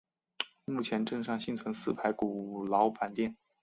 目前镇上幸存四排古老板店。